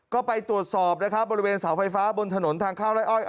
ก็ไปตรวจสอบนะครับบริเวณเสาไฟฟ้าบนถนนทางข้าวไล่อ้อย